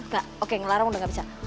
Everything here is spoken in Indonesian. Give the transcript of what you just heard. gak oke ngelarang udah gak bisa